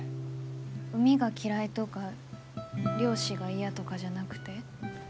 海が嫌いとか漁師が嫌とかじゃなくて？